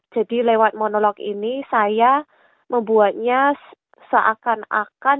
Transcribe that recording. jadi lewat monolog ini saya membuatnya seakan akan